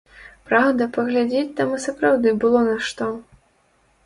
Праўда, паглядзець там і сапраўды было на што.